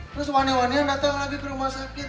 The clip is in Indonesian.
terus wanita wanita dateng lagi ke rumah sakit